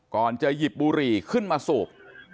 ก่อนจะหยิบบุหรี่ขึ้นมาสูบ